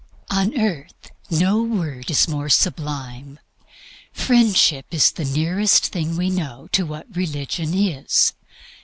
On earth no word is more sublime. Friendship is the nearest thing we know to what religion is.